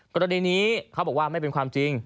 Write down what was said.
กรณีนี้เขาบอกว่าไม่เป็นความจริง